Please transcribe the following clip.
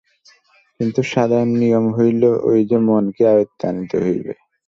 কিন্তু সাধারণ নিয়ম হইল এই যে, মনকে আয়ত্তে আনিতে হইবে।